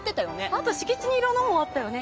あと敷地にいろんなものあったよね。